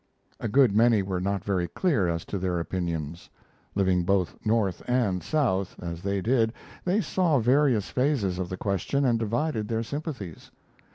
A good many were not very clear as to their opinions. Living both North and South as they did, they saw various phases of the question and divided their sympathies.